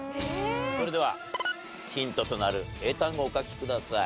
それではヒントとなる英単語をお書きください。